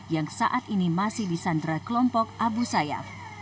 yang saat ini masih disandra kelompok abu sayyaf